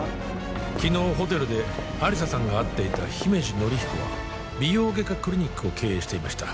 昨日ホテルで亜理紗さんが会っていた姫路紀彦は美容外科クリニックを経営していました